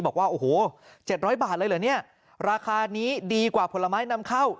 บอกว่าโอ้โห๗๐๐บาทเลยเหรอเนี่ยราคานี้ดีกว่าผลไม้นำเข้า